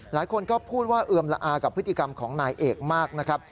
หลายคนก็พูดว่าเอือมละอากับพฤติกรรมของนายเอกมากนะครับ